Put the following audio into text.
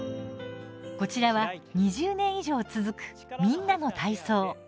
こちらは２０年以上続く「みんなの体操」。